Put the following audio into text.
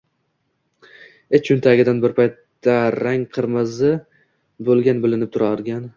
ich cho'ntagidan, bir paytlar rangi qirmizi bo'lgani bilinib turgan